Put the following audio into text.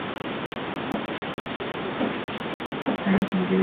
Saa ya kengele imewekwa saa kumi na moja asubuhi